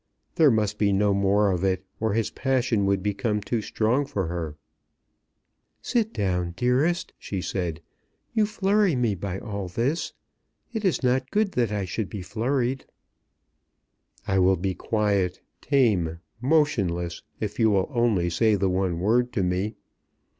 There must be no more of it, or his passion would become too strong for her. "Sit down, dearest," she said. "You flurry me by all this. It is not good that I should be flurried." "I will be quiet, tame, motionless, if you will only say the one word to me.